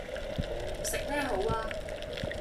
食咩好啊